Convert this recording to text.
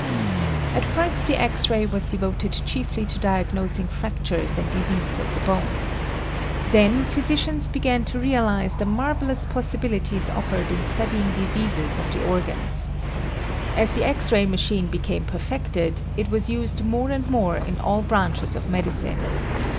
At first the X ray was devoted chiefly to diagnosing fractures and diseases of the bone. Then, physicians began to realize the marvelous possibilites offered in studying diseases of the organs. As the X ray machine became perfected, it was used more and more in all branches of medicine.